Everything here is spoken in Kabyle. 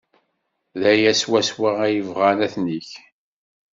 D aya swaswa ay bɣan ad t-neg.